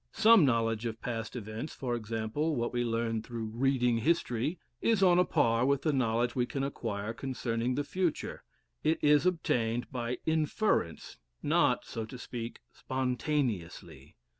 Some knowledge of past events, for example what we learn through reading history, is on a par with the knowledge we can acquire concerning the future: it is obtained by inference, not (so to speak) spontaneously.